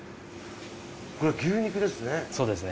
これ牛肉ですね。